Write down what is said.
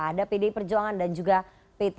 ada pdi perjuangan dan juga p tiga